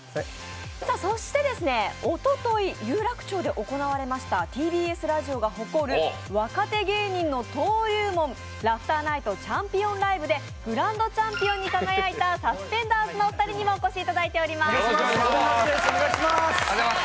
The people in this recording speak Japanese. そして、おととい、有楽町で行われましてＴＢＳラジオが誇る若手芸人の登竜門、ＬａｕｇｈｔｅｒＮｉｇｈｔチャンピオンライブでグランドチャンピオンに輝いたサスペンターズのお二人にもお越しいただいています。